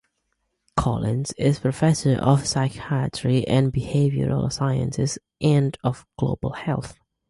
Collins is professor of psychiatry and behavioral sciences and of global health.